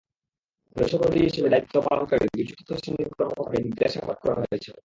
নৈশ প্রহরী হিসেবে দায়িত্ব পালনকারী দুই চতুর্থ শ্রেণির কর্মকর্তাকে জিজ্ঞাসাবাদ করা হয়েছে।